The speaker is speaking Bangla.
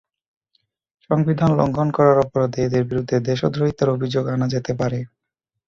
সংবিধান লঙ্ঘন করার অপরাধে এঁদের বিরুদ্ধে দেশদ্রোহিতার অভিযোগ আনা যেতে পারে।